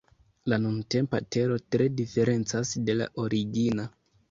La nuntempa Tero tre diferencas de la origina.